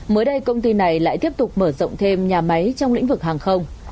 mới đây công ty này lại tiếp tục mở rộng thêm nhà máy trong lĩnh vực hàng không